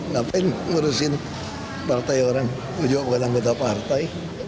ngapain ngurusin partai orang menjawabkan anggota partai